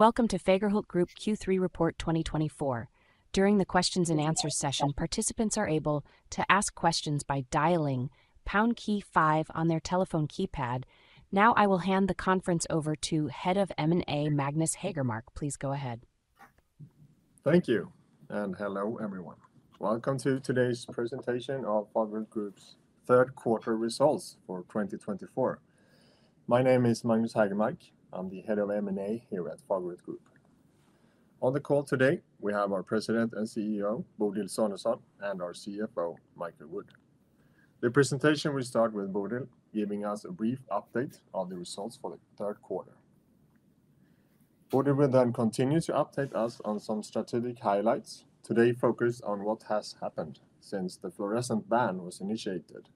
Welcome to Fagerhult Group Q3 Report 2024. During the questions and answers session, participants are able to ask questions by dialing pound key five on their telephone keypad. Now, I will hand the conference over to Head of M&A, Magnus Hagermark. Please go ahead. Thank you, and hello, everyone. Welcome to today's presentation of Fagerhult Group's third quarter results for 2024. My name is Magnus Haegermark. I'm the Head of M&A here at Fagerhult Group. On the call today, we have our President and CEO, Bodil Sonesson, and our CFO, Michael Wood. The presentation will start with Bodil giving us a brief update on the results for the third quarter. Bodil will then continue to update us on some strategic highlights, today focused on what has happened since the fluorescent ban was initiated,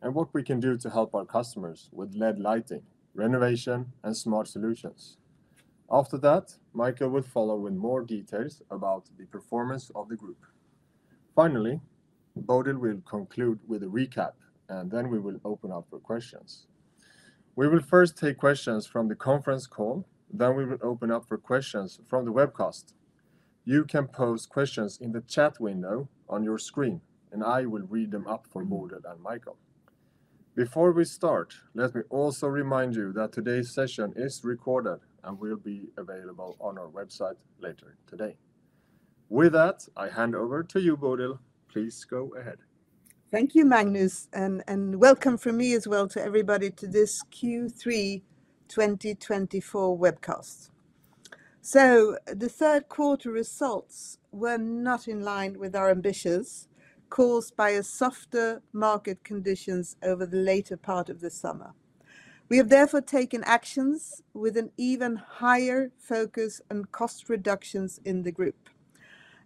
and what we can do to help our customers with LED lighting, renovation, and smart solutions. After that, Michael will follow with more details about the performance of the group. Finally, Bodil will conclude with a recap, and then we will open up for questions. We will first take questions from the conference call, then we will open up for questions from the webcast. You can pose questions in the chat window on your screen, and I will read them up for Bodil and Michael. Before we start, let me also remind you that today's session is recorded and will be available on our website later today. With that, I hand over to you, Bodil. Please go ahead. Thank you, Magnus, and welcome from me as well to everybody to this Q3 2024 webcast. The third quarter results were not in line with our ambitions, caused by softer market conditions over the later part of the summer. We have therefore taken actions with an even higher focus on cost reductions in the group.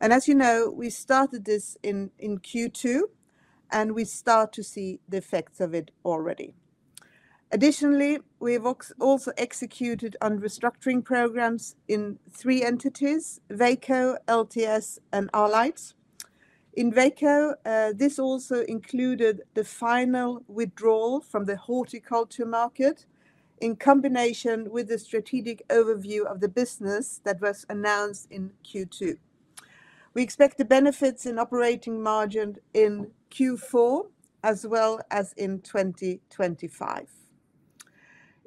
And as you know, we started this in Q2, and we start to see the effects of it already. Additionally, we have also executed on restructuring programs in three entities: Veko, LTS, and Arlight. In Veko, this also included the final withdrawal from the horticulture market in combination with the strategic overview of the business that was announced in Q2. We expect the benefits in operating margin in Q4, as well as in 2025.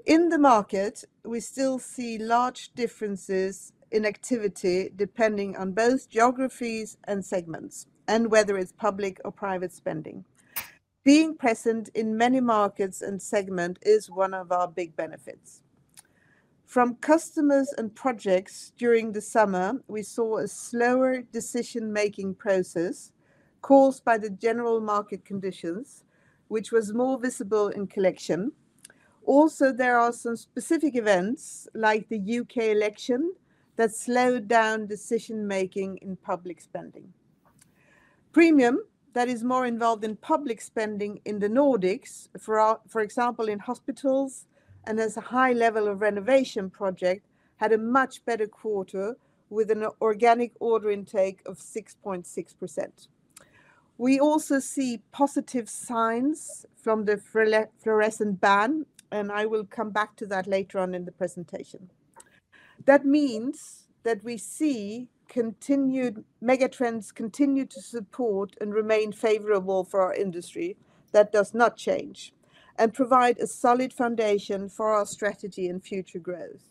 In the market, we still see large differences in activity, depending on both geographies and segments, and whether it's public or private spending. Being present in many markets and segments is one of our big benefits. From customers and projects during the summer, we saw a slower decision-making process caused by the general market conditions, which was more visible in construction. Also, there are some specific events, like the U.K. election, that slowed down decision-making in public spending. Premium, that is more involved in public spending in the Nordics, for example, in hospitals, and there's a high level of renovation project, had a much better quarter, with an organic order intake of 6.6%. We also see positive signs from the fluorescent ban, and I will come back to that later on in the presentation. That means that we see continued... Megatrends continue to support and remain favorable for our industry, that does not change, and provide a solid foundation for our strategy and future growth,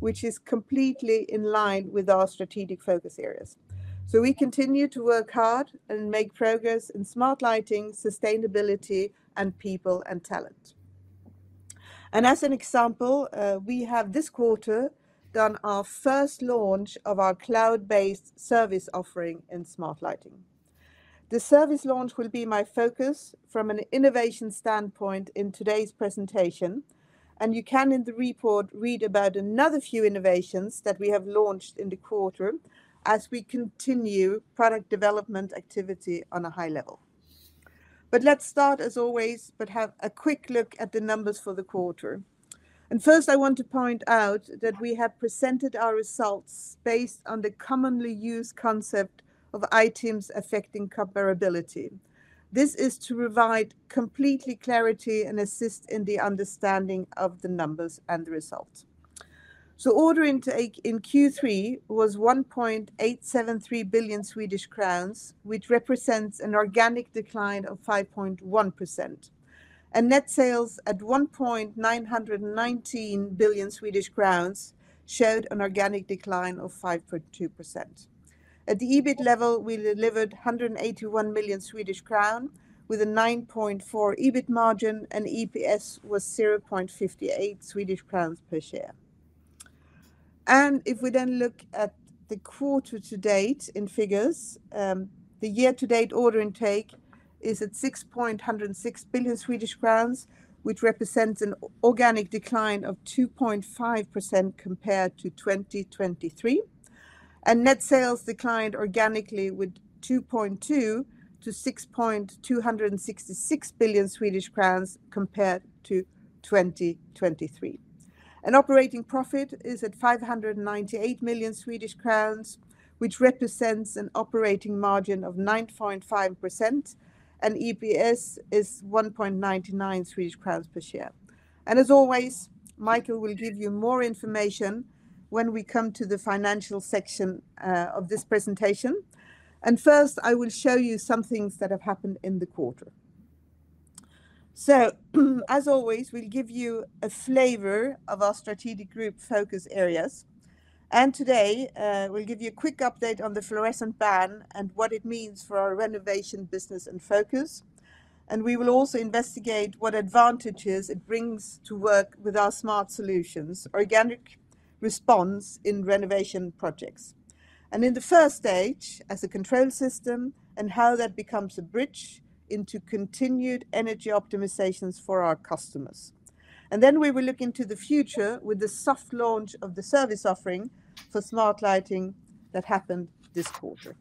which is completely in line with our strategic focus areas. So we continue to work hard and make progress in smart lighting, sustainability, and people and talent. And as an example, we have this quarter done our first launch of our cloud-based service offering in smart lighting. The service launch will be my focus from an innovation standpoint in today's presentation, and you can, in the report, read about another few innovations that we have launched in the quarter, as we continue product development activity on a high level. But let's start as always and have a quick look at the numbers for the quarter. First, I want to point out that we have presented our results based on the commonly used concept of items affecting comparability. This is to provide complete clarity and assist in the understanding of the numbers and the results. Order intake in Q3 was 1.873 billion Swedish crowns, which represents an organic decline of 5.1%, and net sales at 1.919 billion Swedish crowns showed an organic decline of 5.2%. At the EBIT level, we delivered 181 million Swedish crown, with a 9.4% EBIT margin, and EPS was 0.58 Swedish crowns per share. If we then look at the quarter to date in figures, the year-to-date order intake is at 6.106 billion Swedish crowns, which represents an organic decline of 2.5% compared to 2023, and net sales declined organically with 2.2% to 6.266 billion Swedish crowns compared to 2023. An operating profit is at 598 million Swedish crowns, which represents an operating margin of 9.5%, and EPS is 1.99 Swedish crowns per share. As always, Michael will give you more information when we come to the financial section of this presentation. First, I will show you some things that have happened in the quarter. So as always, we'll give you a flavor of our strategic group focus areas, and today we'll give you a quick update on the fluorescent ban and what it means for our renovation business and focus, and we will also investigate what advantages it brings to work with our smart solutions, Organic Response in renovation projects, and in the first stage, as a control system, and how that becomes a bridge into continued energy optimizations for our customers, and then we will look into the future with the soft launch of the service offering for smart lighting that happened this quarter,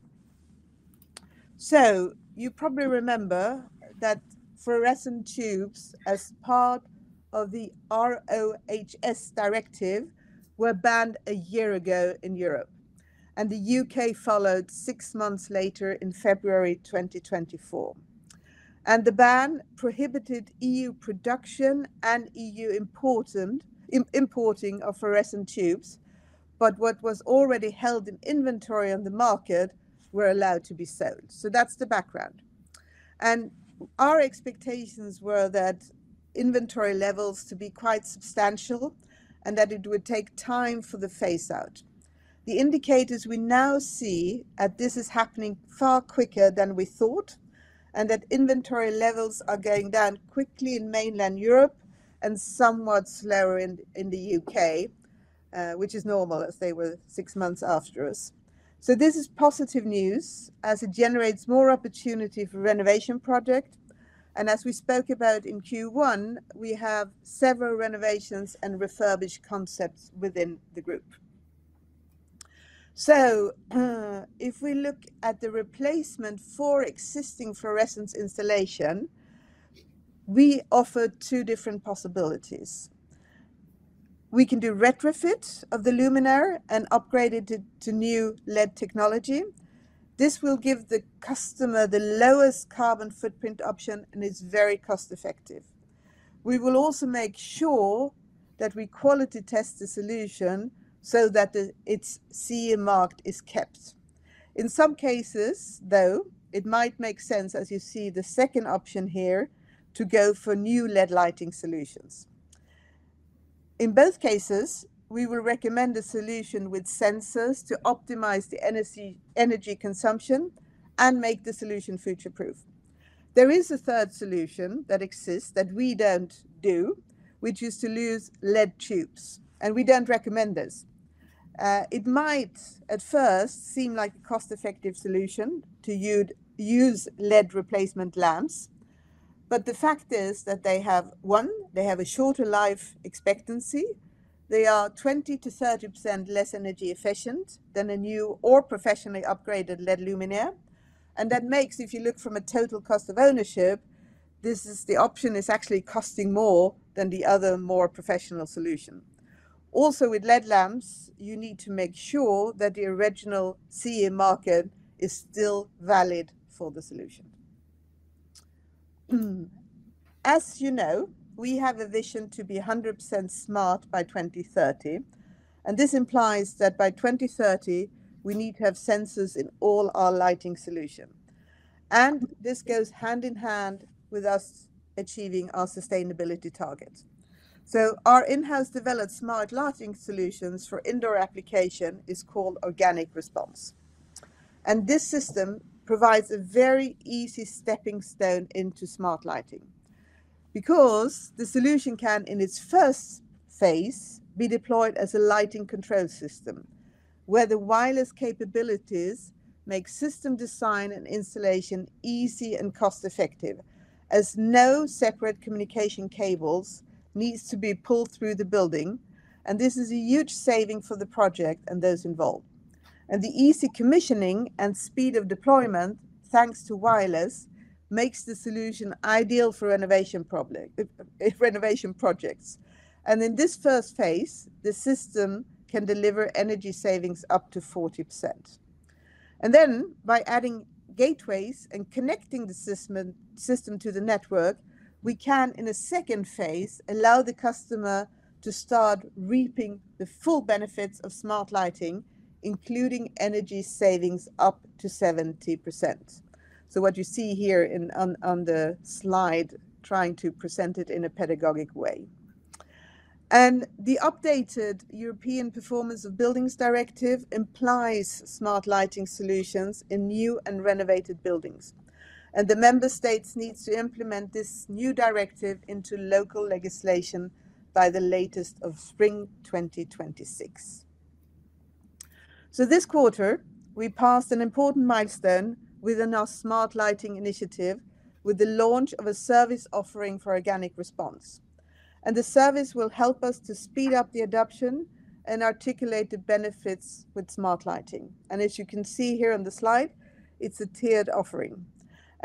so you probably remember that fluorescent tubes, as part of the RoHS directive, were banned a year ago in Europe, and the U.K. followed six months later in February 2024. And the ban prohibited EU production and EU importing of fluorescent tubes, but what was already held in inventory on the market were allowed to be sold. So that's the background. And our expectations were that inventory levels to be quite substantial, and that it would take time for the phase-out. The indicators we now see that this is happening far quicker than we thought, and that inventory levels are going down quickly in mainland Europe and somewhat slower in the UK, which is normal, as they were six months after us. So this is positive news, as it generates more opportunity for renovation project. And as we spoke about in Q1, we have several renovations and refurbished concepts within the group. So if we look at the replacement for existing fluorescent installation, we offer two different possibilities. We can do retrofit of the luminaire and upgrade it to new LED technology. This will give the customer the lowest carbon footprint option and is very cost-effective. We will also make sure that we quality-test the solution so that its CE mark is kept. In some cases, though, it might make sense, as you see the second option here, to go for new LED lighting solutions. In both cases, we will recommend a solution with sensors to optimize the energy consumption and make the solution future-proof. There is a third solution that exists that we don't do, which is to use LED tubes, and we don't recommend this. It might, at first, seem like a cost-effective solution to you'd use LED replacement lamps, but the fact is that they have, one, they have a shorter life expectancy. They are 20%-30% less energy efficient than a new or professionally upgraded LED luminaire. And that makes, if you look from a total cost of ownership, this is, the option is actually costing more than the other more professional solution. Also, with LED lamps, you need to make sure that the original CE marking is still valid for the solution. As you know, we have a vision to be 100% smart by 2030, and this implies that by 2030, we need to have sensors in all our lighting solution. And this goes hand in hand with us achieving our sustainability targets. So our in-house developed smart lighting solutions for indoor application is called Organic Response, and this system provides a very easy stepping stone into smart lighting because the solution can, in its first phase, be deployed as a lighting control system, where the wireless capabilities make system design and installation easy and cost-effective, as no separate communication cables needs to be pulled through the building, and this is a huge saving for the project and those involved. And the easy commissioning and speed of deployment, thanks to wireless, makes the solution ideal for renovation project, renovation projects. And in this first phase, the system can deliver energy savings up to 40%. And then, by adding gateways and connecting the system to the network, we can, in a second phase, allow the customer to start reaping the full benefits of smart lighting, including energy savings up to 70%. So what you see here on the slide, trying to present it in a pedagogic way. And the updated European Performance of Buildings Directive implies smart lighting solutions in new and renovated buildings, and the member states needs to implement this new directive into local legislation by the latest of spring 2026. So this quarter, we passed an important milestone within our smart lighting initiative with the launch of a service offering for Organic Response. And the service will help us to speed up the adoption and articulate the benefits with smart lighting. And as you can see here on the slide, it's a tiered offering.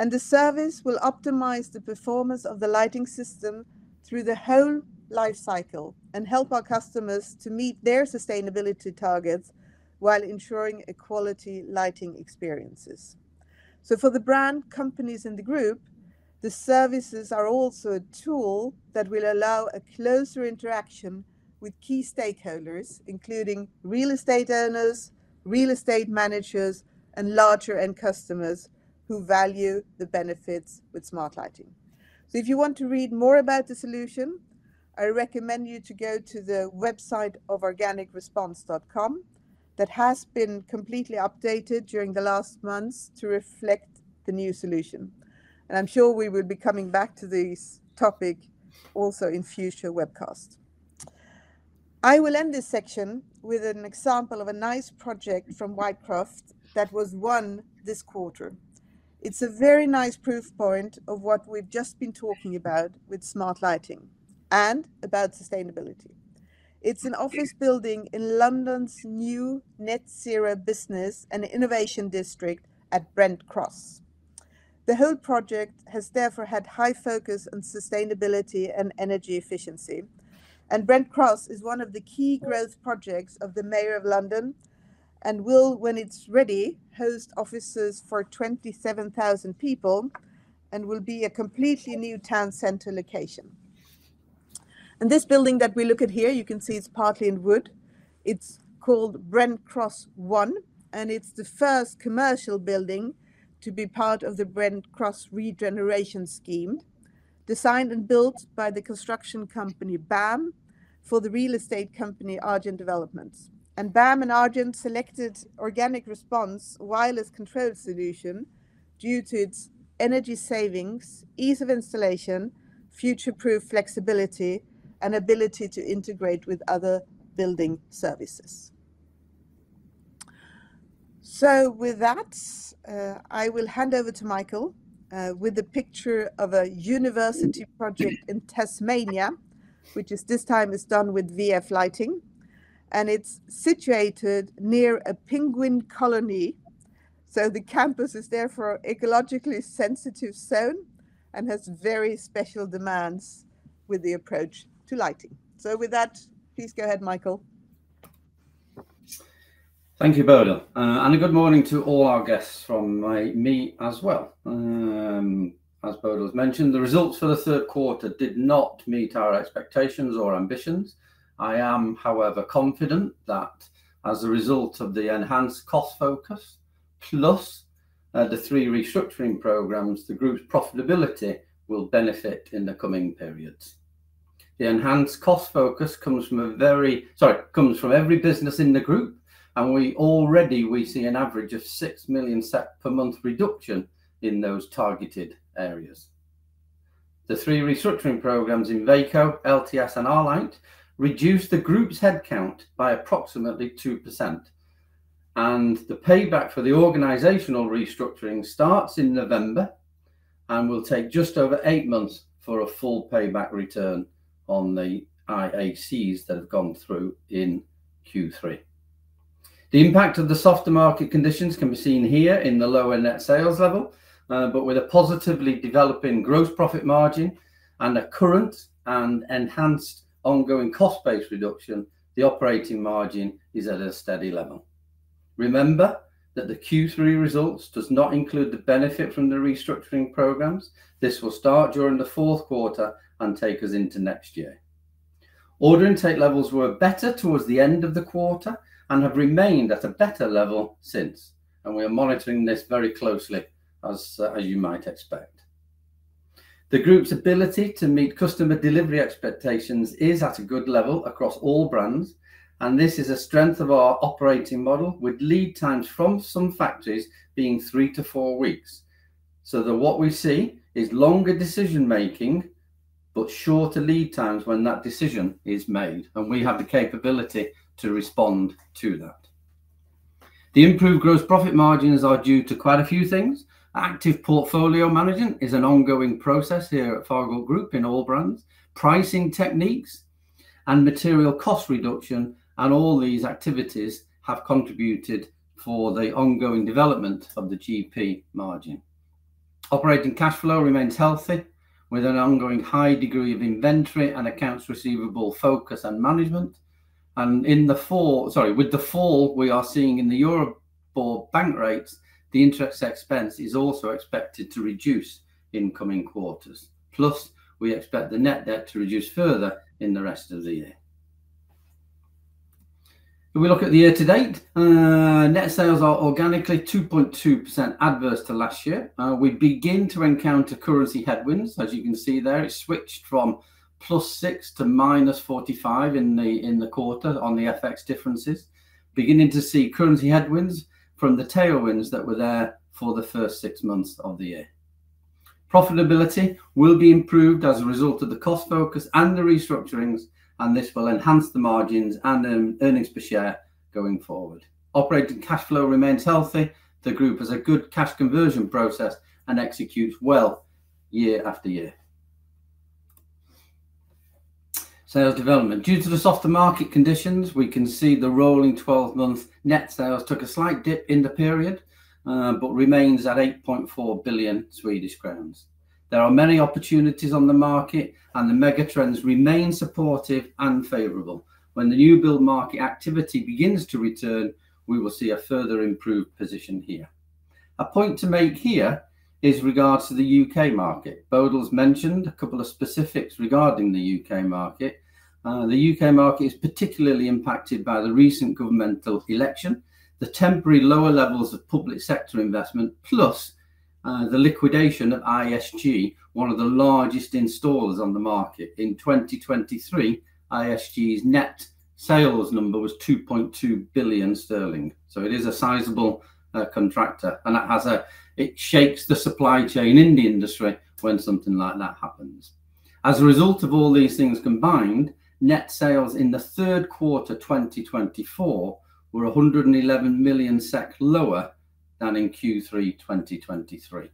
The service will optimize the performance of the lighting system through the whole life cycle and help our customers to meet their sustainability targets, while ensuring a quality lighting experiences. For the brand companies in the group. The services are also a tool that will allow a closer interaction with key stakeholders, including real estate owners, real estate managers, and larger end customers who value the benefits with smart lighting. If you want to read more about the solution, I recommend you to go to the website of organicresponse.com. That has been completely updated during the last months to reflect the new solution, and I'm sure we will be coming back to this topic also in future webcasts. I will end this section with an example of a nice project from Whitecroft that was won this quarter. It's a very nice proof point of what we've just been talking about with smart lighting and about sustainability. It's an office building in London's new net zero business and innovation district at Brent Cross. The whole project has therefore had high focus on sustainability and energy efficiency, and Brent Cross is one of the key growth projects of the Mayor of London, and will, when it's ready, host offices for 27,000 people and will be a completely new town center location, and this building that we look at here, you can see it's partly in wood. It's called Brent Cross One, and it's the first commercial building to be part of the Brent Cross regeneration scheme, designed and built by the construction company, BAM, for the real estate company, Argent Developments. And BAM and Argent selected Organic Response wireless control solution due to its energy savings, ease of installation, future-proof flexibility, and ability to integrate with other building services. So with that, I will hand over to Michael with a picture of a university project in Tasmania, which is this time is done with VF Lighting, and it's situated near a penguin colony, so the campus is therefore an ecologically sensitive zone and has very special demands with the approach to lighting. So with that, please go ahead, Michael. Thank you, Bodil, and a good morning to all our guests from me as well. As Bodil has mentioned, the results for the third quarter did not meet our expectations or ambitions. I am, however, confident that as a result of the enhanced cost focus, plus the three restructuring programs, the group's profitability will benefit in the coming periods. The enhanced cost focus comes from every business in the group, and we already see an average of 6 million SEK per month reduction in those targeted areas. The three restructuring programs in Vaco, LTS, and Arlight reduced the group's headcount by approximately 2%, and the payback for the organizational restructuring starts in November and will take just over eight months for a full payback return on the IACs that have gone through in Q3. The impact of the softer market conditions can be seen here in the lower net sales level, but with a positively developing gross profit margin and a current and enhanced ongoing cost base reduction, the operating margin is at a steady level. Remember, that the Q3 results does not include the benefit from the restructuring programs. This will start during the fourth quarter and take us into next year. Order intake levels were better towards the end of the quarter and have remained at a better level since, and we are monitoring this very closely, as you might expect. The group's ability to meet customer delivery expectations is at a good level across all brands, and this is a strength of our operating model, with lead times from some factories being three to four weeks. So that what we see is longer decision-making, but shorter lead times when that decision is made, and we have the capability to respond to that. The improved gross profit margins are due to quite a few things. Active portfolio management is an ongoing process here at Fagerhult Group in all brands. Pricing techniques and material cost reduction and all these activities have contributed for the ongoing development of the GP margin. Operating cash flow remains healthy, with an ongoing high degree of inventory and accounts receivable focus and management. And in the fall... Sorry, with the fall we are seeing in the Euro for bank rates, the interest expense is also expected to reduce in coming quarters. Plus, we expect the net debt to reduce further in the rest of the year. If we look at the year to date, net sales are organically 2.2% adverse to last year. We begin to encounter currency headwinds. As you can see there, it switched from +6 to -45 in the quarter on the FX differences, beginning to see currency headwinds from the tailwinds that were there for the first six months of the year. Profitability will be improved as a result of the cost focus and the restructurings, and this will enhance the margins and earnings per share going forward. Operating cash flow remains healthy. The group has a good cash conversion process and executes well year after year. Sales development. Due to the softer market conditions, we can see the rolling twelve-month net sales took a slight dip in the period, but remains at 8.4 billion Swedish crowns. There are many opportunities on the market, and the megatrends remain supportive and favorable. When the new build market activity begins to return, we will see a further improved position here... A point to make here is regards to the UK market. Bodil's mentioned a couple of specifics regarding the UK market. The UK market is particularly impacted by the recent governmental election, the temporary lower levels of public sector investment, plus, the liquidation of ISG, one of the largest installers on the market. In 2023, ISG's net sales number was 2.2 billion sterling, so it is a sizable contractor, and it shapes the supply chain in the industry when something like that happens. As a result of all these things combined, net sales in the third quarter 2024 were 111 million SEK lower than in Q3 2023.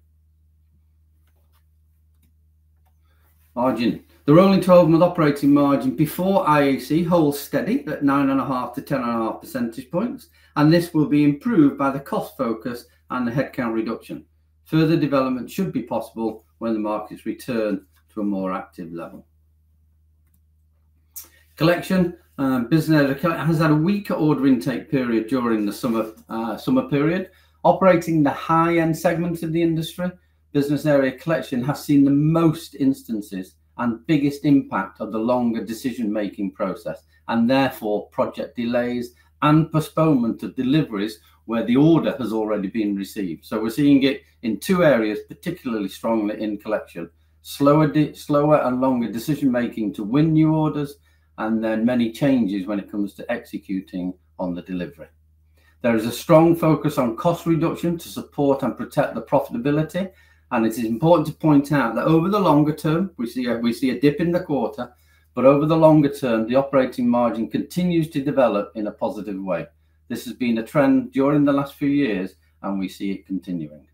Margin. The rolling twelve-month operating margin before IAC holds steady at 9.5-10.5 percentage points, and this will be improved by the cost focus and the headcount reduction. Further development should be possible when the markets return to a more active level. Collection, business area Collection has had a weaker order intake period during the summer period. Operating the high-end segments of the industry, business area Collection has seen the most instances and biggest impact of the longer decision-making process, and therefore, project delays and postponement of deliveries where the order has already been received. So we're seeing it in two areas, particularly strongly in construction: slower and longer decision-making to win new orders, and then many changes when it comes to executing on the delivery. There is a strong focus on cost reduction to support and protect the profitability, and it is important to point out that over the longer term, we see a dip in the quarter, but over the longer term, the operating margin continues to develop in a positive way. This has been a trend during the last few years, and we see it continuing.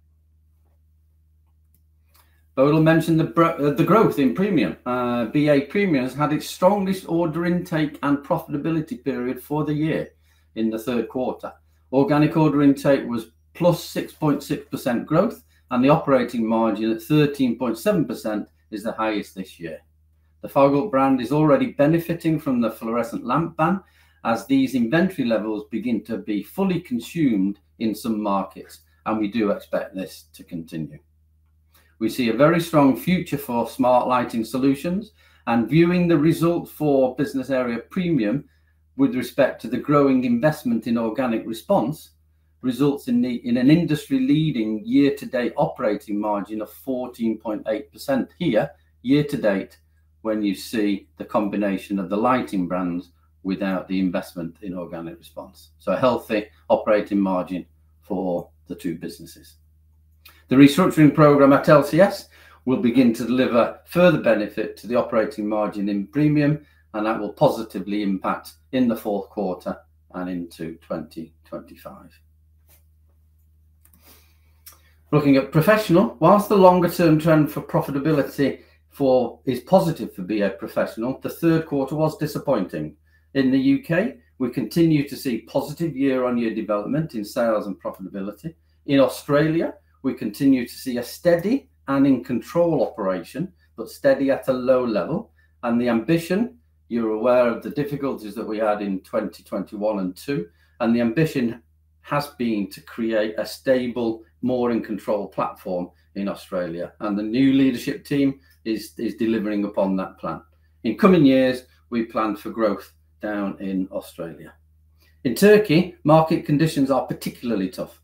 Bodil mentioned the growth in Premium. BA Premium has had its strongest order intake and profitability period for the year in the third quarter. Organic order intake was +6.6% growth, and the operating margin at 13.7% is the highest this year. The Fagerhult brand is already benefiting from the fluorescent lamp ban as these inventory levels begin to be fully consumed in some markets, and we do expect this to continue. We see a very strong future for smart lighting solutions and viewing the result for business area Premium with respect to the growing investment in Organic Response, results in an industry-leading year-to-date operating margin of 14.8% here, year to date, when you see the combination of the lighting brands without the investment in Organic Response, so a healthy operating margin for the two businesses. The restructuring program at LTS will begin to deliver further benefit to the operating margin in Premium, and that will positively impact in the fourth quarter and into 2025. Looking at Professional, while the longer-term trend for profitability is positive for BA Professional, the third quarter was disappointing. In the UK, we continue to see positive year-on-year development in sales and profitability. In Australia, we continue to see a steady and in control operation, but steady at a low level. The ambition, you're aware of the difficulties that we had in 2021 and 2022, and the ambition has been to create a stable, more in control platform in Australia, and the new leadership team is delivering upon that plan. In coming years, we plan for growth down in Australia. In Turkey, market conditions are particularly tough,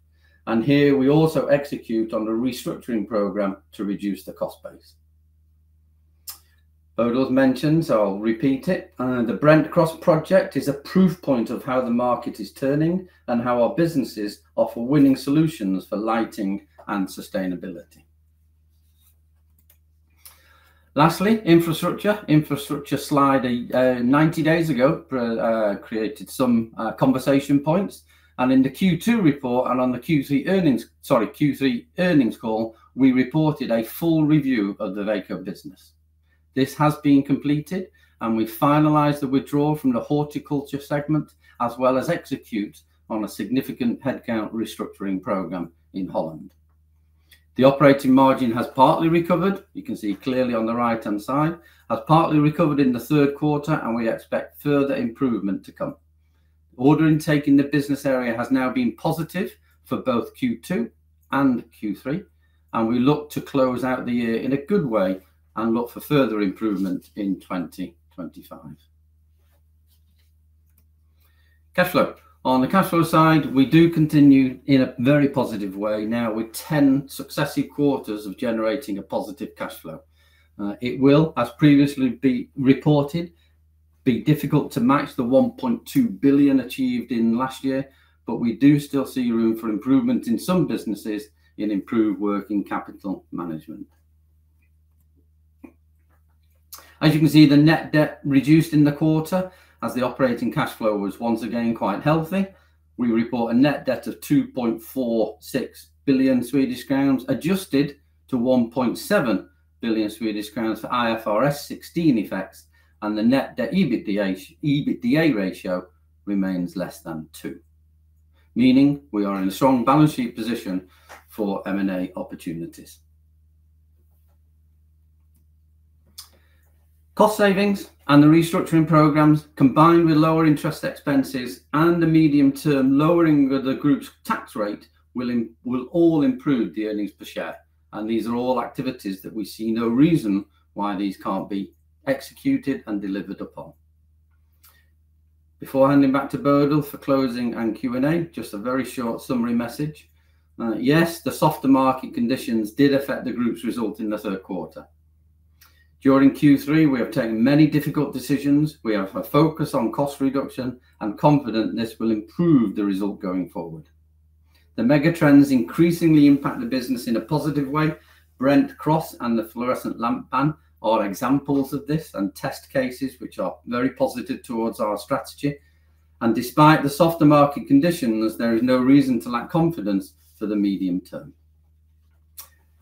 and here, we also execute on a restructuring program to reduce the cost base. Bodil's mentioned, so I'll repeat it, the Brent Cross project is a proof point of how the market is turning and how our businesses offer winning solutions for lighting and sustainability. Lastly, Infrastructure. Infrastructure slide, about 90 days ago brought some conversation points, and in the Q2 report and on the Q3 earnings... Sorry, Q3 earnings call, we reported a full review of the Veko business. This has been completed, and we've finalized the withdrawal from the horticulture segment, as well as execute on a significant headcount restructuring program in Holland. The operating margin has partly recovered, you can see clearly on the right-hand side, has partly recovered in the third quarter, and we expect further improvement to come. Order intake in the business area has now been positive for both Q2 and Q3, and we look to close out the year in a good way and look for further improvement in 2025. Cash flow. On the cash flow side, we do continue in a very positive way, now with 10 successive quarters of generating a positive cash flow. It will, as previously reported, be difficult to match the 1.2 billion achieved in last year, but we do still see room for improvement in some businesses in improved working capital management. As you can see, the net debt reduced in the quarter as the operating cash flow was once again quite healthy. We report a net debt of 2.46 billion Swedish crowns, adjusted to 1.7 billion Swedish crowns for IFRS 16 effects, and the net debt EBITDA ratio remains less than 2, meaning we are in a strong balance sheet position for M&A opportunities. Cost savings and the restructuring programs, combined with lower interest expenses and the medium-term lowering of the group's tax rate, will all improve the earnings per share, and these are all activities that we see no reason why these can't be executed and delivered upon. Before handing back to Bodil for closing and Q&A, just a very short summary message. Yes, the softer market conditions did affect the group's results in the third quarter. During Q3, we have taken many difficult decisions. We have a focus on cost reduction and confident this will improve the result going forward. The megatrends increasingly impact the business in a positive way. Brent Cross and the fluorescent lamp ban are examples of this, and test cases which are very positive towards our strategy. And despite the softer market conditions, there is no reason to lack confidence for the medium term.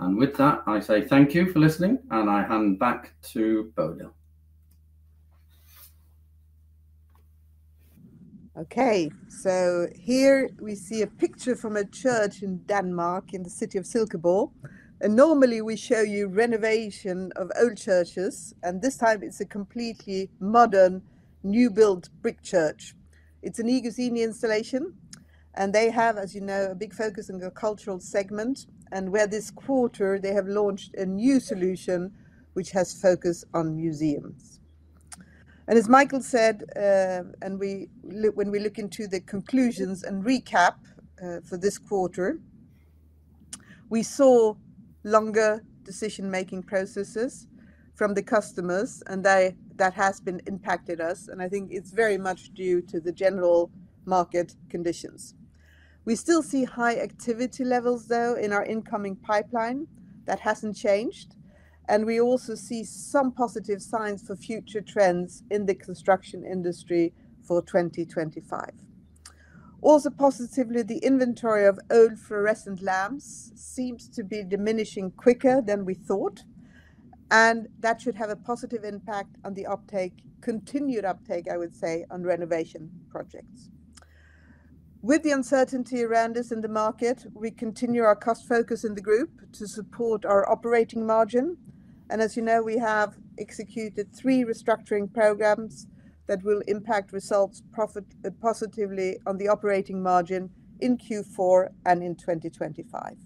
And with that, I say thank you for listening, and I hand back to Bodil. Okay, so here we see a picture from a church in Denmark, in the city of Silkeborg, and normally, we show you renovation of old churches, and this time it's a completely modern, new-built brick church. It's an iGuzzini installation, and they have, as you know, a big focus on the cultural segment, and where this quarter they have launched a new solution, which has focus on museums. And as Michael said, when we look into the conclusions and recap, for this quarter, we saw longer decision-making processes from the customers, and that has impacted us, and I think it's very much due to the general market conditions. We still see high activity levels, though, in our incoming pipeline. That hasn't changed, and we also see some positive signs for future trends in the construction industry for 2025. Also positively, the inventory of old fluorescent lamps seems to be diminishing quicker than we thought, and that should have a positive impact on the uptake, continued uptake, I would say, on renovation projects. With the uncertainty around us in the market, we continue our cost focus in the group to support our operating margin, and as you know, we have executed three restructuring programs that will impact results profit positively on the operating margin in Q4 and in 2025.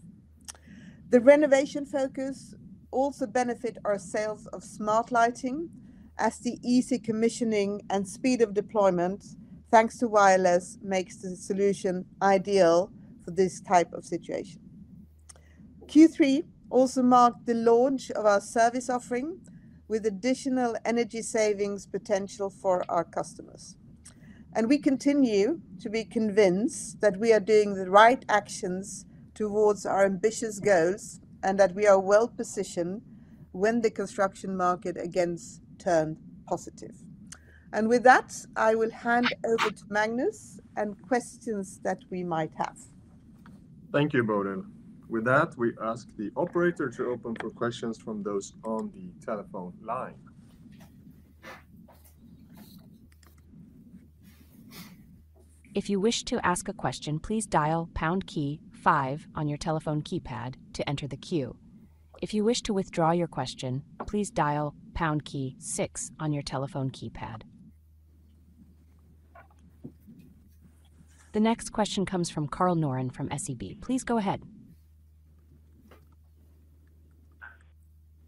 The renovation focus also benefit our sales of smart lighting, as the easy commissioning and speed of deployment, thanks to wireless, makes the solution ideal for this type of situation. Q3 also marked the launch of our service offering, with additional energy savings potential for our customers. And we continue to be convinced that we are doing the right actions towards our ambitious goals, and that we are well-positioned when the construction market again turn positive. And with that, I will hand over to Magnus, and questions that we might have. Thank you, Bodil. With that, we ask the operator to open for questions from those on the telephone line. If you wish to ask a question, please dial pound key five on your telephone keypad to enter the queue. If you wish to withdraw your question, please dial pound key six on your telephone keypad. The next question comes from Karl Norén from SEB. Please go ahead.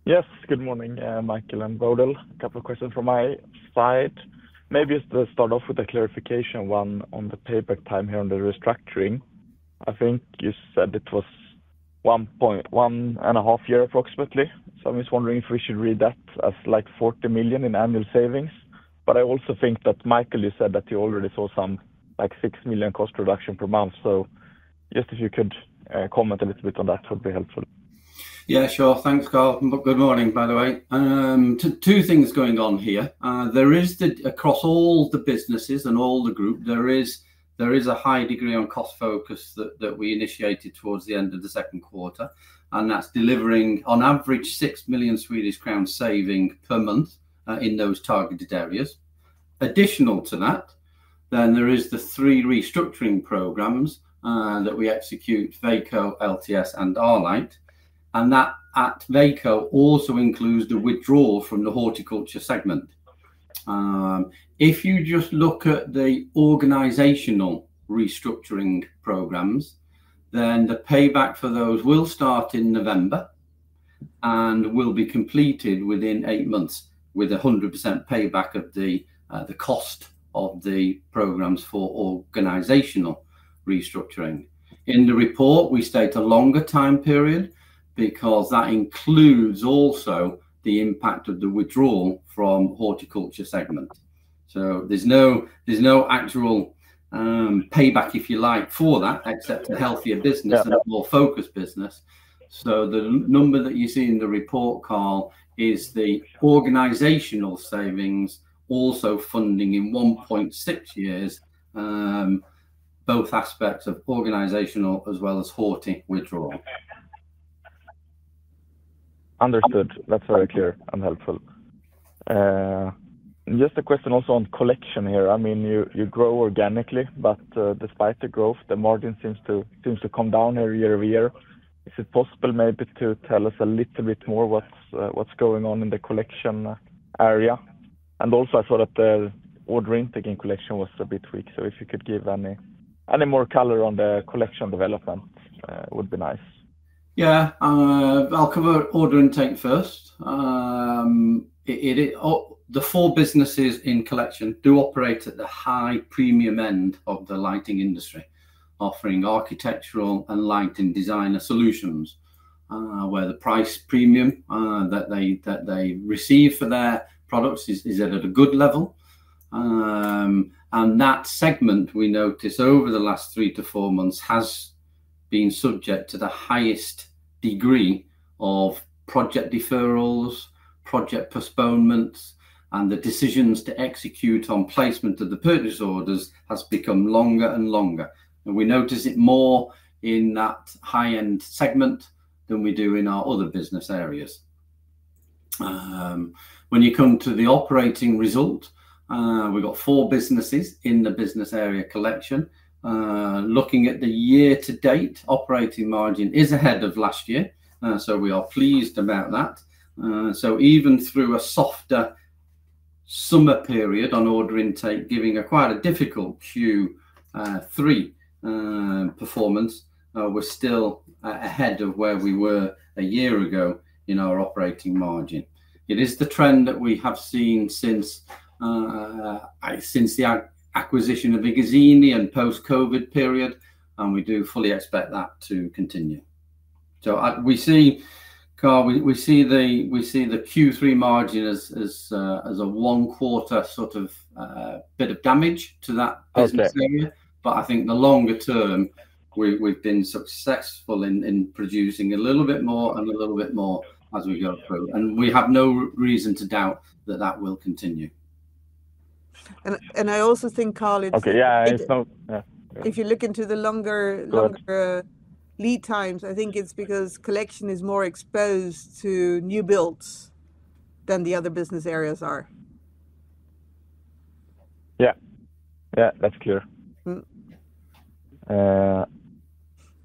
Yes, good morning, Michael and Bodil. A couple of questions from my side. Maybe just to start off with a clarification one on the payback time here on the restructuring. I think you said it was one and a half year, approximately. So I'm just wondering if we should read that as like forty million in annual savings? But I also think that, Michael, you said that you already saw some, like, six million cost reduction per month. So just if you could comment a little bit on that, that would be helpful. Yeah, sure. Thanks, Karl, and good morning, by the way. Two things going on here. There is the... Across all the businesses and all the group, there is a high degree on cost focus that we initiated towards the end of the second quarter, and that's delivering on average six million Swedish crown saving per month, in those targeted areas. Additional to that, then there is the three restructuring programs that we execute, Veko, LTS, and Arlight, and that at Veko also includes the withdrawal from the horticulture segment. If you just look at the organizational restructuring programs, then the payback for those will start in November and will be completed within eight months, with a 100% payback of the, the cost of the programs for organizational restructuring. In the report, we state a longer time period, because that includes also the impact of the withdrawal from horticulture segment. So there's no actual payback, if you like, for that, except a healthier business- Yeah. and a more focused business. So the number that you see in the report, Karl, is the organizational savings also funding in 1.6 years, both aspects of organizational as well as horti withdrawal. Understood. That's very clear and helpful. Just a question also on Collection here. I mean, you grow organically, but, despite the growth, the margin seems to come down here year over year. Is it possible maybe to tell us a little bit more what's going on in the Collection area? And also I saw that the order intake in Collection was a bit weak, so if you could give any more color on the Collection development, would be nice. Yeah. I'll cover order intake first. The four businesses in Collection do operate at the high premium end of the lighting industry, offering architectural and lighting designer solutions, where the price premium that they receive for their products is at a good level, and that segment, we noticed over the last three to four months, has been subject to the highest degree of project deferrals, project postponements, and the decisions to execute on placement of the purchase orders has become longer and longer, and we notice it more in that high-end segment than we do in our other business areas. When you come to the operating result, we've got four businesses in the business area Collection. Looking at the year to date, operating margin is ahead of last year, so we are pleased about that. So even through a softer summer period on order intake, giving a quite difficult Q3 performance, we're still ahead of where we were a year ago in our operating margin. It is the trend that we have seen since the acquisition of iGuzzini and post-COVID period, and we do fully expect that to continue. So we see, Karl, the Q3 margin as a one quarter sort of bit of damage to that business area. Okay. But I think the longer term, we've been successful in producing a little bit more and a little bit more as we go through, and we have no reason to doubt that will continue. I also think, Karl, it's- Okay, yeah, it's not... Yeah. If you look into the longer- Got it... longer lead times, I think it's because collection is more exposed to new builds than the other business areas are. Yeah. Yeah, that's clear. Mm.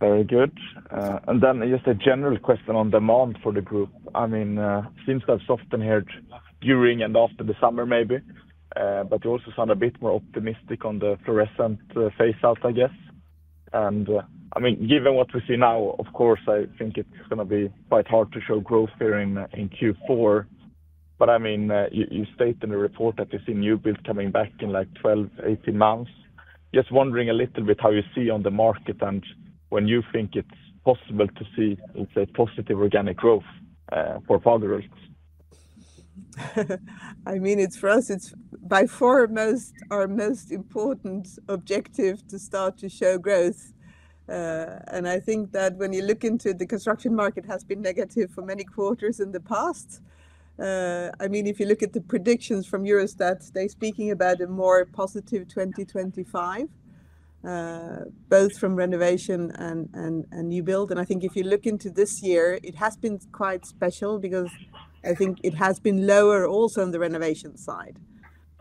Very good, and then just a general question on demand for the group. I mean, seems quite soft in here during and after the summer, maybe. But you also sound a bit more optimistic on the fluorescent phaseout, I guess. And, I mean, given what we see now, of course, I think it's gonna be quite hard to show growth here in Q4. But, I mean, you state in the report that you see new builds coming back in, like, 12, 18 months. Just wondering a little bit how you see on the market and when you think it's possible to see, let's say, positive organic growth for Fagerhult? I mean, it's for us it's by far our most important objective to start to show growth. And I think that when you look into the construction market has been negative for many quarters in the past. I mean, if you look at the predictions from Eurostat, they're speaking about a more positive 2025, both from renovation and new build. And I think if you look into this year, it has been quite special because I think it has been lower also on the renovation side.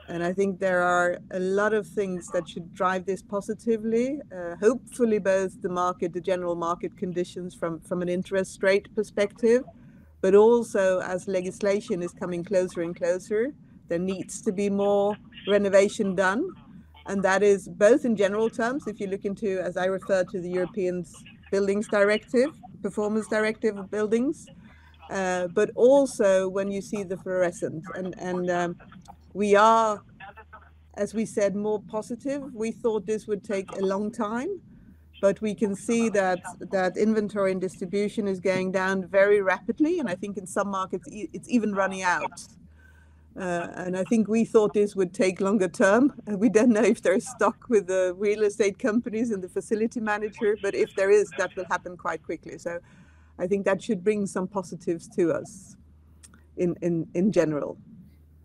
And I think there are a lot of things that should drive this positively. Hopefully, both the market, the general market conditions from an interest rate perspective, but also as legislation is coming closer and closer, there needs to be more renovation done, and that is both in general terms, if you look into, as I referred to, the European Performance of Buildings Directive, but also when you see the fluorescent ban. We are, as we said, more positive. We thought this would take a long time, but we can see that inventory and distribution is going down very rapidly, and I think in some markets, it is even running out. I think we thought this would take longer term, and we don't know if there is stock with the real estate companies and the facility manager, but if there is, that will happen quite quickly. I think that should bring some positives to us in general.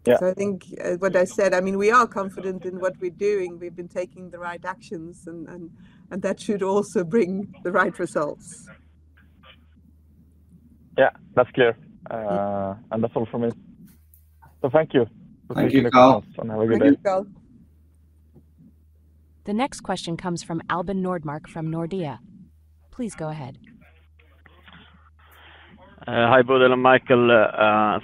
Yeah. So I think, what I said, I mean, we are confident in what we're doing. We've been taking the right actions, and that should also bring the right results. Yeah, that's clear, and that's all from me, so thank you- Thank you, Karl.... for taking my calls, and have a good day. Thank you, Karl. The next question comes from Albin Nordmark from Nordea. Please go ahead. Hi, Bodil and Michael.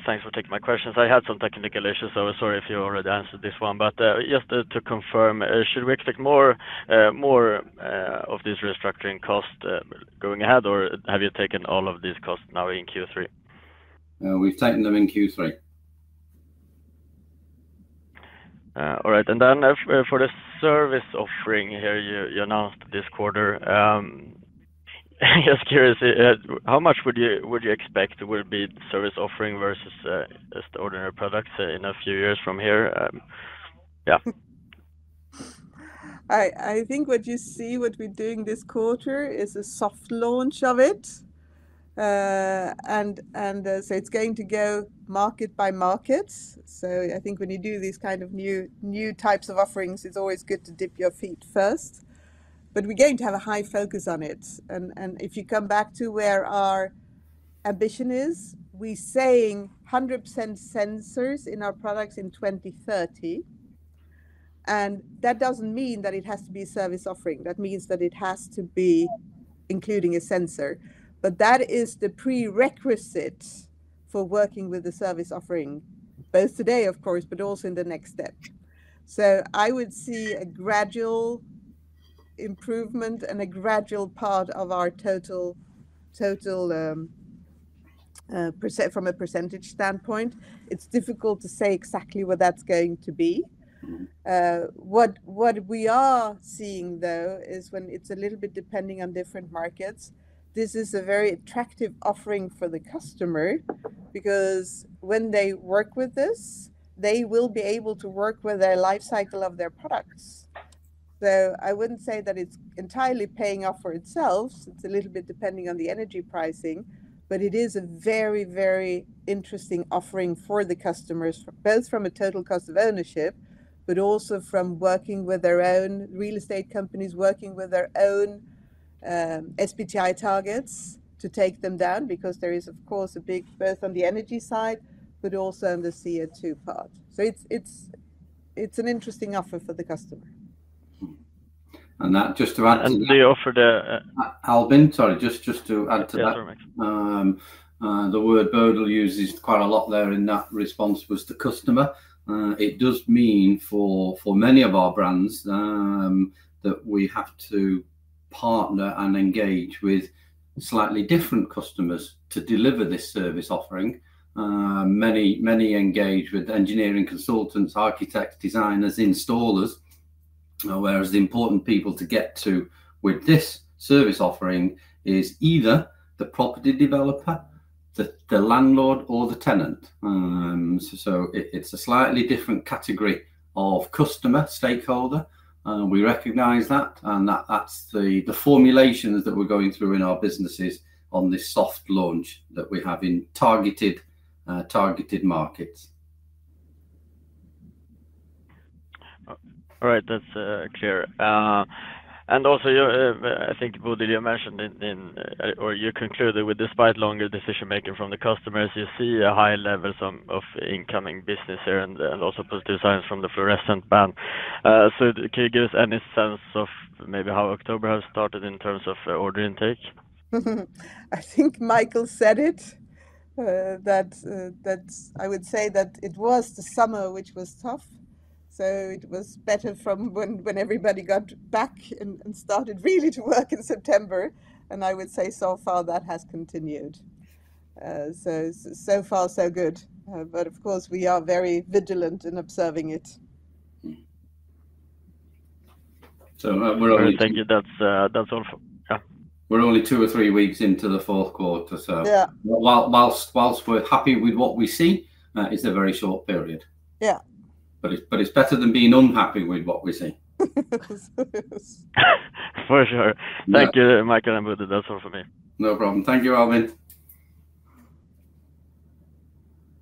Thanks for taking my questions. I had some technical issues, so sorry if you already answered this one. But just to confirm, should we expect more of this restructuring cost going ahead, or have you taken all of these costs now in Q3? We've taken them in Q3. All right. And then, for the service offering here you announced this quarter, just curious, how much would you expect will be service offering versus just ordinary products in a few years from here? Yeah. I think what you see, what we're doing this quarter is a soft launch of it. So it's going to go market by market. So I think when you do these kind of new types of offerings, it's always good to dip your feet first, but we're going to have a high focus on it. And if you come back to where our ambition is, we're saying 100% sensors in our products in 2030, and that doesn't mean that it has to be a service offering. That means that it has to be including a sensor, but that is the prerequisite for working with the service offering, both today, of course, but also in the next step. So I would see a gradual improvement and a gradual part of our total percent from a percentage standpoint. It's difficult to say exactly what that's going to be. Mm-hmm. What we are seeing, though, is when it's a little bit depending on different markets, this is a very attractive offering for the customer, because when they work with this, they will be able to work with their life cycle of their products. So I wouldn't say that it's entirely paying off for itself, it's a little bit depending on the energy pricing, but it is a very, very interesting offering for the customers, both from a total cost of ownership, but also from working with their own real estate companies, working with their own SBTi targets to take them down, because there is, of course, a big both on the energy side, but also on the CO2 part. So it's an interesting offer for the customer. And that just about- And they offered a Albin, sorry, just, just to add to that. Yeah, sorry. The word Bodil uses quite a lot there in that response was the customer. It does mean for many of our brands that we have to partner and engage with slightly different customers to deliver this service offering. Many engage with engineering consultants, architects, designers, installers, whereas the important people to get to with this service offering is either the property developer, the landlord or the tenant. So it, it's a slightly different category of customer, stakeholder, and we recognize that, and that's the formulations that we're going through in our businesses on this soft launch that we have in targeted markets. All right, that's clear. And also, you, I think, Bodil, you mentioned or you concluded with despite longer decision-making from the customers, you see a high levels of incoming business here and also positive signs from the fluorescent ban. So can you give us any sense of maybe how October has started in terms of order intake? I think Michael said it, that that's. I would say that it was the summer, which was tough, so it was better from when everybody got back and started really to work in September, and I would say so far that has continued. So far so good, but of course, we are very vigilant in observing it. Hmm. So we're only- Thank you. That's, that's all for... Yeah. We're only two or three weeks into the fourth quarter, so- Yeah... whilst we're happy with what we see, it's a very short period. Yeah. But it's better than being unhappy with what we see. For sure. Yeah. Thank you, Michael and Bodil. That's all for me. No problem. Thank you, Albin.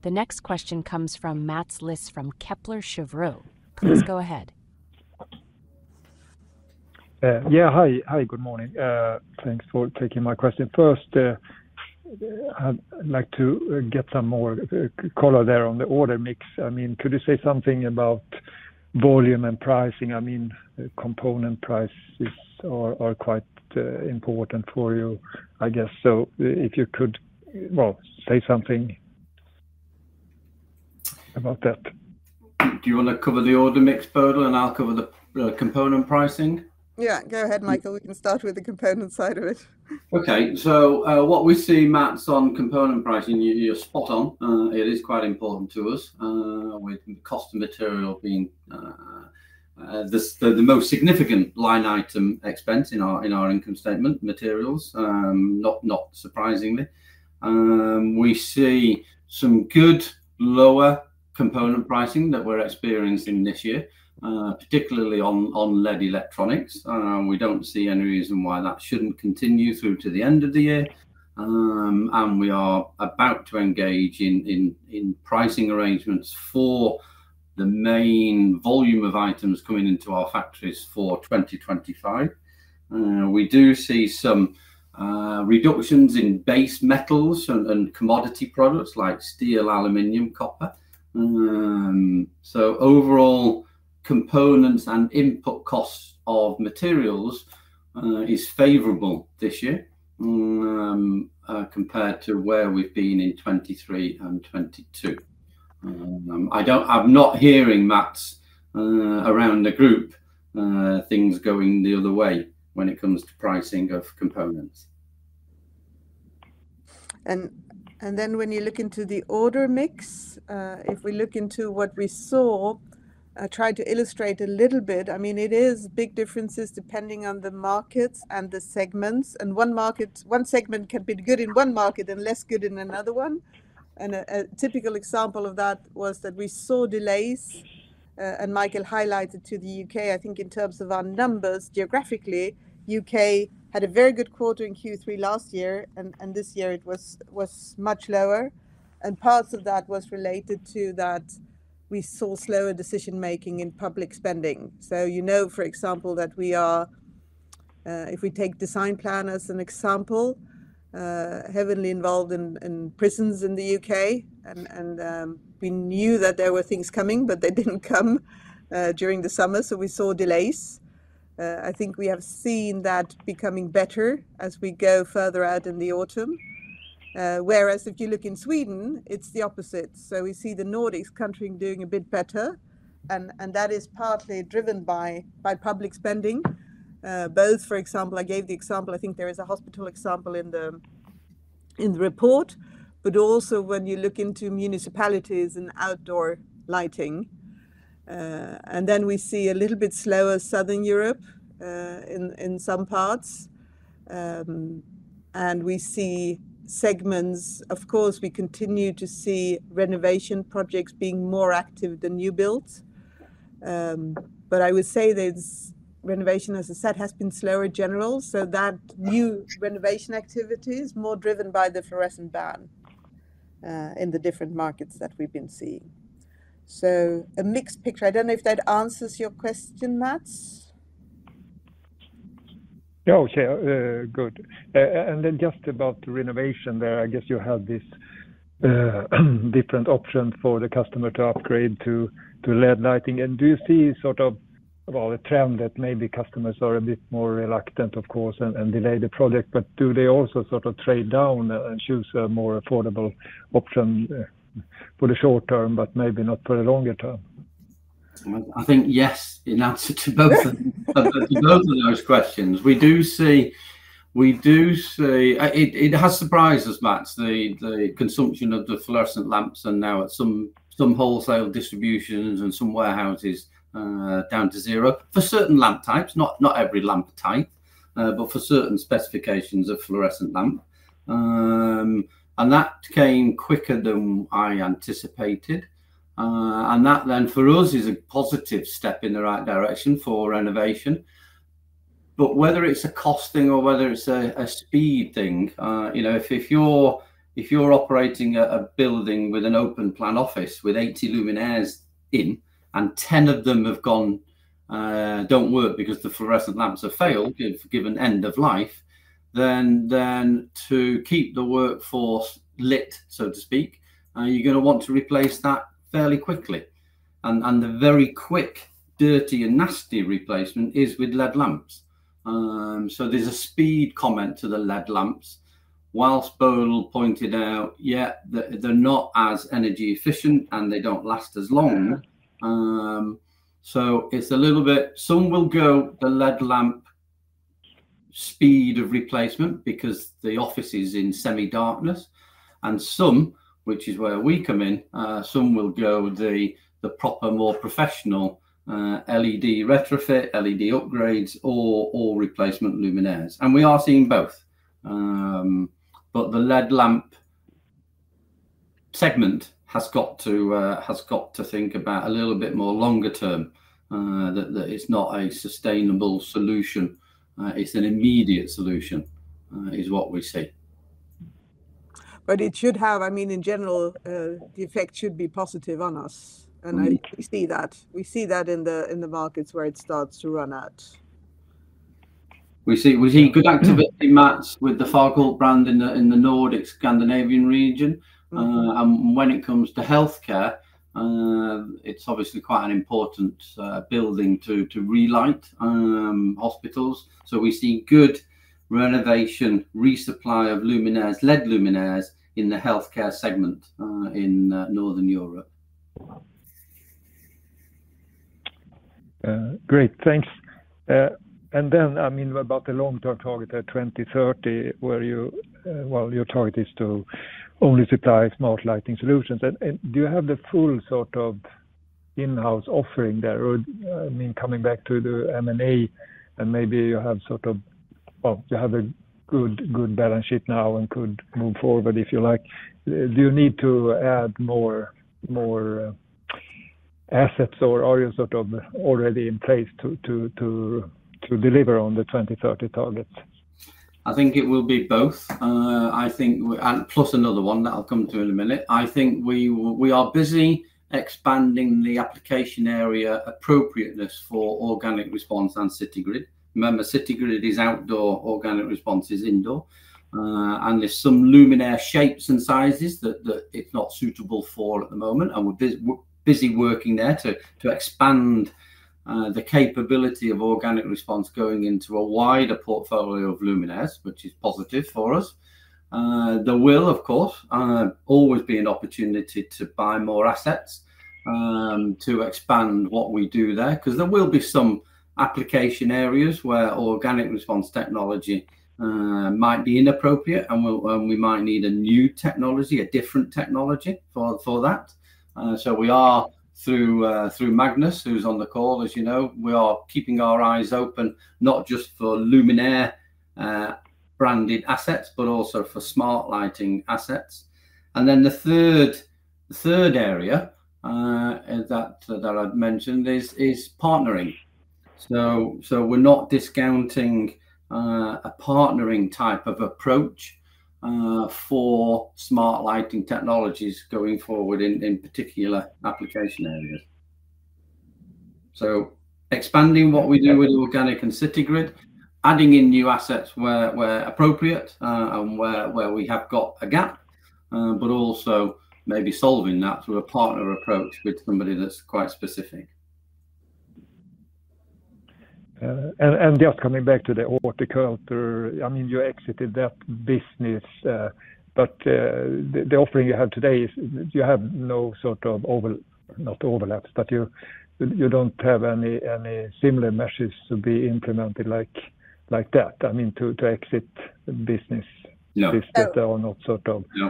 The next question comes from Mats Liss from Kepler Cheuvreux. Please go ahead. Yeah, hi. Hi, good morning. Thanks for taking my question. First, I'd like to get some more color there on the order mix. I mean, could you say something about volume and pricing? I mean, component prices are quite important for you, I guess. So if you could, well, say something about that? Do you want to cover the order mix, Bodil, and I'll cover the component pricing? Yeah, go ahead, Michael. We can start with the component side of it. Okay. So, what we see, Mats, on component pricing, you, you're spot on. It is quite important to us, with cost of material being the most significant line item expense in our income statement, materials, not surprisingly. We see some good lower component pricing that we're experiencing this year, particularly on LED electronics, and we don't see any reason why that shouldn't continue through to the end of the year. And we are about to engage in pricing arrangements for the main volume of items coming into our factories for 2025. We do see some reductions in base metals and commodity products like steel, aluminum, copper. So overall, components and input costs of materials is favorable this year compared to where we've been in 2023 and 2022. I'm not hearing, Mats, around the group, things going the other way when it comes to pricing of components. Then, when you look into the order mix, if we look into what we saw, I tried to illustrate a little bit. I mean, it is big differences depending on the markets and the segments, and one segment can be good in one market and less good in another one. A typical example of that was that we saw delays, and Michael highlighted to the UK. I think in terms of our numbers geographically, UK had a very good quarter in Q3 last year, and this year it was much lower. Part of that was related to that we saw slower decision-making in public spending. You know, for example, that we are-... If we take Designplan as an example, heavily involved in prisons in the U.K., and we knew that there were things coming, but they didn't come during the summer, so we saw delays. I think we have seen that becoming better as we go further out in the autumn. Whereas if you look in Sweden, it's the opposite, so we see the Nordics country doing a bit better, and that is partly driven by public spending, both for example, I gave the example, I think there is a hospital example in the report, but also when you look into municipalities and outdoor lighting, and then we see a little bit slower Southern Europe in some parts, and we see segments... Of course, we continue to see renovation projects being more active than new builds, but I would say that renovation, as I said, has been slower generally, so that new renovation activity is more driven by the fluorescent ban in the different markets that we've been seeing, so a mixed picture. I don't know if that answers your question, Mats? Okay. Good. And then just about the renovation there, I guess you have this different option for the customer to upgrade to LED lighting. And do you see sort of, well, a trend that maybe customers are a bit more reluctant, of course, and delay the project, but do they also sort of trade down and choose a more affordable option for the short term, but maybe not for the longer term? I think yes, in answer to both. Both of those questions. We do see. It has surprised us, Mats, the consumption of the fluorescent lamps are now at some wholesale distributions and some warehouses down to zero. For certain lamp types, not every lamp type, but for certain specifications of fluorescent lamp. And that came quicker than I anticipated. And that then for us is a positive step in the right direction for renovation. But whether it's a cost thing or whether it's a speed thing, you know, if you're operating a building with an open-plan office with 80 luminaires in, and 10 of them have gone don't work because the fluorescent lamps have failed, given end of life, then to keep the workforce lit, so to speak, you're gonna want to replace that fairly quickly. And the very quick, dirty, and nasty replacement is with LED lamps. So there's a speed comment to the LED lamps. Whilst Bodil pointed out, yeah, they're not as energy efficient, and they don't last as long. So it's a little bit... Some will go the LED lamp speed of replacement because the office is in semi-darkness, and some, which is where we come in, some will go the proper, more professional, LED retrofit, LED upgrades, or replacement luminaires, and we are seeing both. But the LED lamp segment has got to think about a little bit more longer term, that it's not a sustainable solution. It's an immediate solution, is what we see. But it should have, I mean, in general, the effect should be positive on us. Mm-hmm. And we see that. We see that in the markets where it starts to run out. We see good activity, Mats, with the Fagerhult brand in the Nordic Scandinavian region. Mm-hmm. And when it comes to healthcare, it's obviously quite an important building to relight hospitals. So we see good renovation, resupply of luminaires, LED luminaires in the healthcare segment, in Northern Europe. Great, thanks. And then, I mean, about the long-term target at 2030, where you, well, your target is to only supply smart lighting solutions. And do you have the full sort of in-house offering there? Or, I mean, coming back to the M&A, and maybe you have sort of, well, you have a good balance sheet now and could move forward, but if you like, do you need to add more assets, or are you sort of already in place to deliver on the 2030 targets? I think it will be both. I think, and plus another one that I'll come to in a minute. I think we are busy expanding the application area appropriateness for Organic Response and Citygrid. Remember, Citygrid is outdoor, Organic Response is indoor, and there's some luminaire shapes and sizes that it's not suitable for at the moment, and we're busy working there to expand the capability of Organic Response going into a wider portfolio of luminaires, which is positive for us. There will, of course, always be an opportunity to buy more assets to expand what we do there, 'cause there will be some application areas where Organic Response technology might be inappropriate, and we'll, and we might need a new technology, a different technology for that. So we are, through Magnus, who's on the call, as you know, keeping our eyes open, not just for luminaire branded assets, but also for smart lighting assets, and then the third area that I've mentioned is partnering. We're not discounting a partnering type of approach for smart lighting technologies going forward in particular application areas, so expanding what we do with Organic and City Grid, adding in new assets where appropriate, and where we have got a gap, but also maybe solving that through a partner approach with somebody that's quite specific. Just coming back to the horticulture, I mean, you exited that business, but the offering you have today is you have no sort of over- not overlaps, but you don't have any similar measures to be implemented like that, I mean, to exit the business- No. -if there are not sort of- No.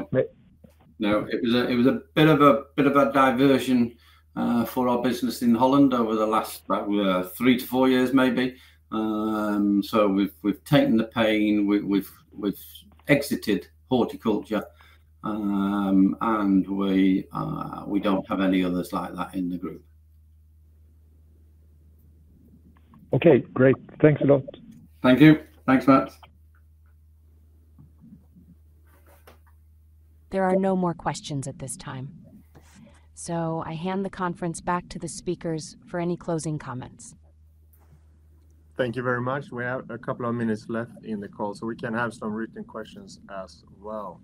No, it was a bit of a diversion for our business in Holland over the last three to four years maybe. So we've taken the pain, we've exited horticulture, and we don't have any others like that in the group. Okay, great. Thanks a lot. Thank you. Thanks, Mats. There are no more questions at this time, so I hand the conference back to the speakers for any closing comments. Thank you very much. We have a couple of minutes left in the call, so we can have some written questions as well.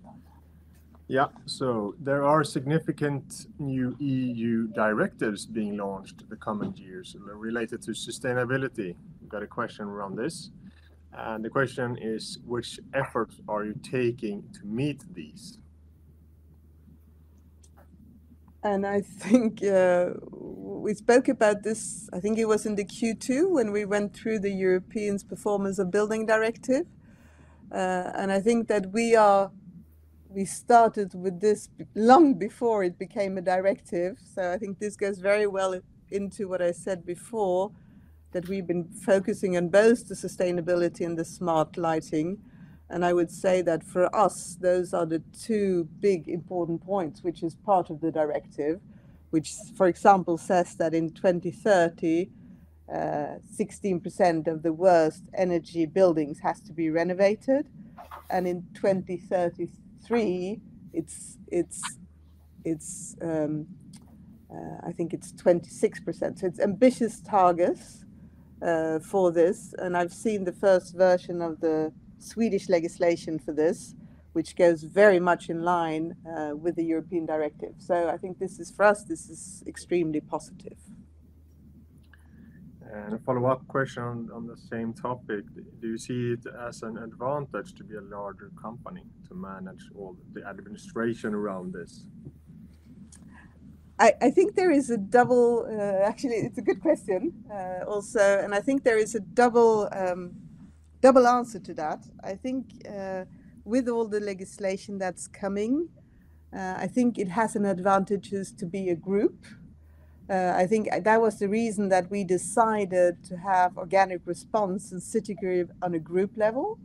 Yeah, so there are significant new EU directives being launched the coming years related to sustainability. We've got a question around this, and the question is: "Which efforts are you taking to meet these? I think we spoke about this. I think it was in the Q2, when we went through the European Performance of Buildings Directive. I think that we are - we started with this long before it became a directive, so I think this goes very well into what I said before, that we've been focusing on both the sustainability and the smart lighting. I would say that for us, those are the two big important points, which is part of the directive, which, for example, says that in 2030, 16% of the worst energy buildings has to be renovated, and in 2033, it's 26%. It's ambitious targets for this, and I've seen the first version of the Swedish legislation for this, which goes very much in line with the European directive. So I think this is, for us, this is extremely positive. And a follow-up question on the same topic: "Do you see it as an advantage to be a larger company, to manage all the administration around this? Actually, it's a good question, also, and I think there is a double answer to that. I think, with all the legislation that's coming, I think it has an advantages to be a group. I think that was the reason that we decided to have Organic Response and Citygrid on a group level,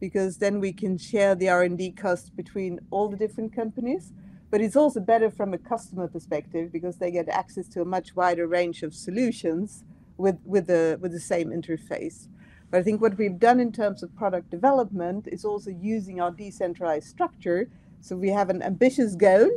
because then we can share the R&D costs between all the different companies, but it's also better from a customer perspective because they get access to a much wider range of solutions with the same interface. But I think what we've done in terms of product development is also using our decentralized structure, so we have an ambitious goal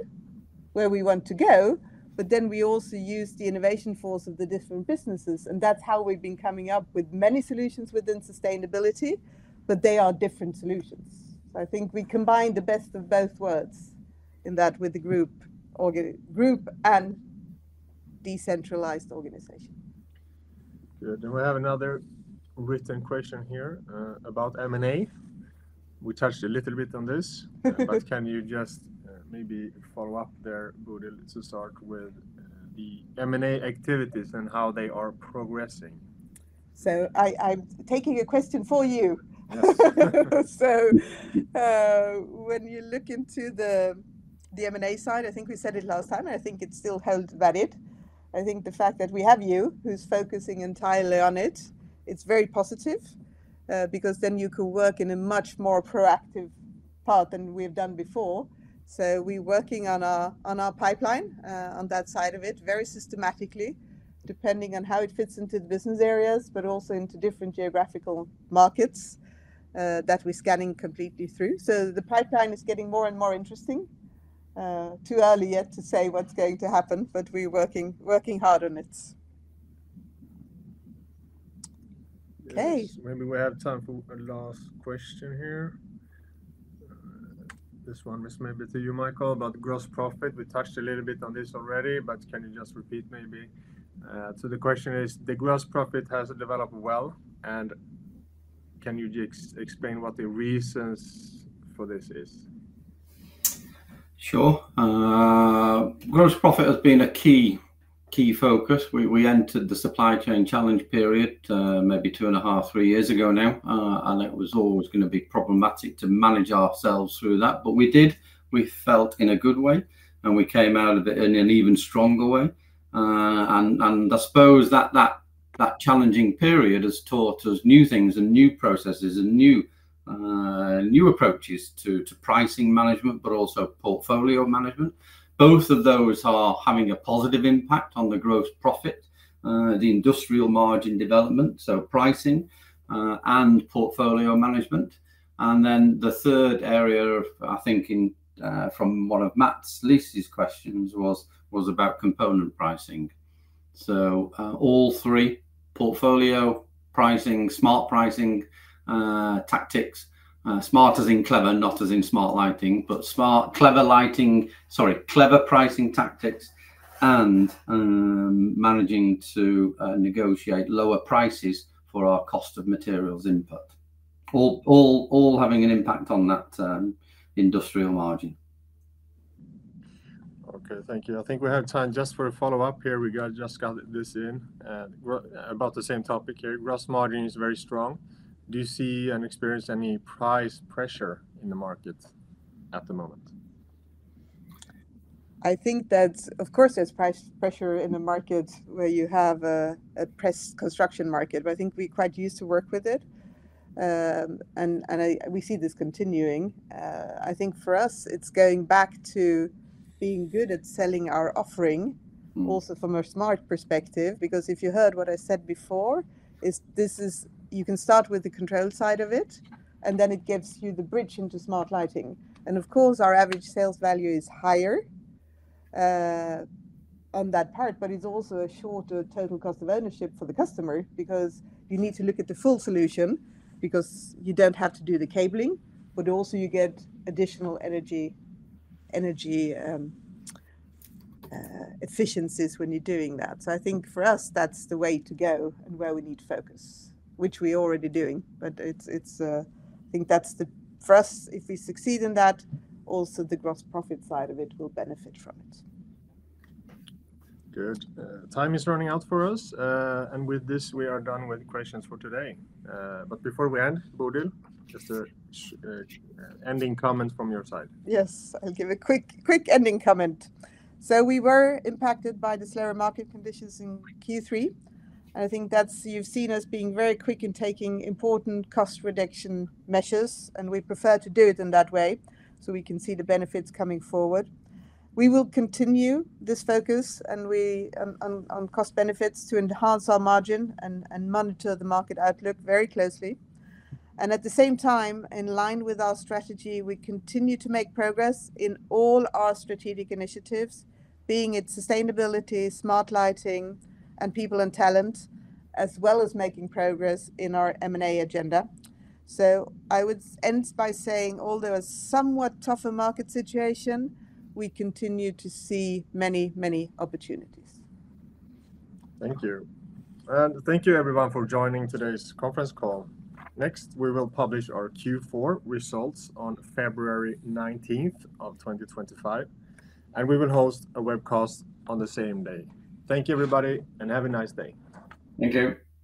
where we want to go, but then we also use the innovation force of the different businesses, and that's how we've been coming up with many solutions within sustainability, but they are different solutions. So I think we combine the best of both worlds in that with the group and decentralized organization. Good. Then we have another written question here, about M&A. We touched a little bit on this. But can you just, maybe follow up there, Bodil, to start with, the M&A activities and how they are progressing? So, I'm taking a question for you. Yes. So, when you look into the M&A side, I think we said it last time. I think it still holds valid. I think the fact that we have you, who's focusing entirely on it, it's very positive, because then you can work in a much more proactive part than we've done before. So we're working on our pipeline, on that side of it, very systematically, depending on how it fits into the business areas, but also into different geographical markets, that we're scanning completely through. So the pipeline is getting more and more interesting. Too early yet to say what's going to happen, but we're working hard on it. Okay. Yes. Maybe we have time for a last question here. This one is maybe to you, Michael, about gross profit. We touched a little bit on this already, but can you just repeat maybe? So the question is: "The gross profit has developed well, and can you explain what the reasons for this is? Sure. Gross profit has been a key focus. We entered the supply chain challenge period, maybe two and a half, three years ago now, and it was always going to be problematic to manage ourselves through that, but we did, we felt, in a good way, and we came out of it in an even stronger way. And I suppose that challenging period has taught us new things and new processes and new approaches to pricing management, but also portfolio management. Both of those are having a positive impact on the gross profit, the industrial margin development, so pricing and portfolio management, and then the third area of, I think, from one of Mats Liss's questions was about component pricing. So, all three, portfolio, pricing, smart pricing, tactics, smart as in clever, not as in smart lighting, but smart-clever lighting. Sorry, clever pricing tactics, and managing to negotiate lower prices for our cost of materials input. All having an impact on that industrial margin. Okay, thank you. I think we have time just for a follow-up here. We just got this in about the same topic here. "Gross margin is very strong. Do you see and experience any price pressure in the market at the moment? I think that, of course, there's price pressure in the market, where you have a pressed construction market, but I think we're quite used to work with it. We see this continuing. I think for us it's going back to being good at selling our offering, also from a smart perspective, because if you heard what I said before, you can start with the control side of it, and then it gives you the bridge into smart lighting, and of course, our average sales value is higher on that part, but it's also a shorter total cost of ownership for the customer, because you need to look at the full solution, because you don't have to do the cabling, but also you get additional energy efficiencies when you're doing that. So I think for us, that's the way to go and where we need to focus, which we're already doing, but it's. I think that's for us, if we succeed in that, also the gross profit side of it will benefit from it. Good. Time is running out for us, and with this, we are done with questions for today. But before we end, Bodil, just a ending comment from your side. Yes, I'll give a quick ending comment. So we were impacted by the slower market conditions in Q3, and I think that's. You've seen us being very quick in taking important cost reduction measures, and we prefer to do it in that way, so we can see the benefits coming forward. We will continue this focus, and we on cost benefits to enhance our margin and monitor the market outlook very closely, and at the same time, in line with our strategy, we continue to make progress in all our strategic initiatives, being it sustainability, smart lighting, and people and talent, as well as making progress in our M&A agenda. So I would end by saying, although a somewhat tougher market situation, we continue to see many, many opportunities. Thank you. And thank you, everyone, for joining today's conference call. Next, we will publish our Q4 results on February 19th of 2025, and we will host a webcast on the same day. Thank you, everybody, and have a nice day. Thank you!